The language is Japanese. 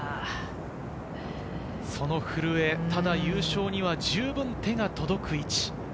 その古江、ただ優勝には十分手が届く位置。